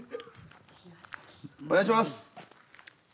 お願いします！